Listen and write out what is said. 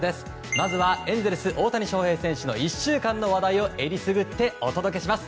まずはエンゼルス大谷翔平選手の１週間の話題をえりすぐってお届けします。